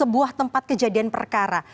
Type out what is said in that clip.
buah tempat kejadian perkara